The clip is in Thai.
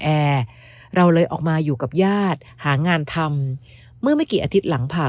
แอร์เราเลยออกมาอยู่กับญาติหางานทำเมื่อไม่กี่อาทิตย์หลังผ่า